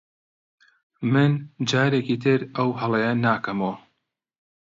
من جارێکی تر ئەو هەڵەیە ناکەمەوە.